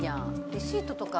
レシートとか。